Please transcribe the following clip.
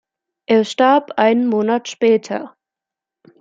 Er starb einen Monat später.